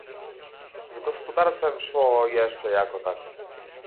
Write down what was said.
"Z gospodarstwem szło jeszcze jako tako."